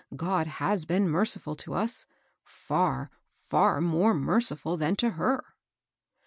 God has been merciftil to us — &r, far more merciftd than to her."